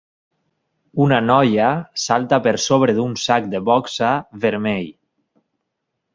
Una noia salta per sobre d'un sac de boxa vermell.